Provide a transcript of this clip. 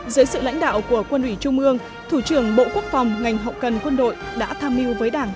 dưới sự lãnh đạo của quân ủy trung ương thủ trưởng bộ quốc phòng ngành hậu cần quân đội đã tham mưu với đảng